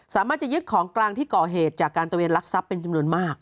สามารถจะยึดของกลางที่ก่อเหตุจากการตะเวนลักทรัพย์เป็นจำนวนมาก